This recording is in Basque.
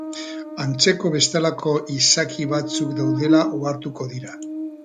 Antzeko bestelako izaki batzuk daudela ohartuko dira.